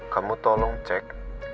kamu tolong cek